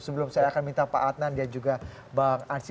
sebelum saya akan minta pak adnan dan juga bang ansyi